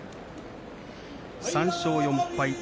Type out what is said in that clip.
３勝４敗。